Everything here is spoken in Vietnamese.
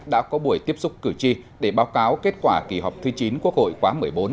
đã có buổi tiếp xúc cử tri để báo cáo kết quả kỳ họp thứ chín quốc hội quá một mươi bốn